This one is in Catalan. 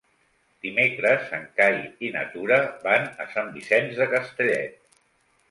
Dimecres en Cai i na Tura van a Sant Vicenç de Castellet.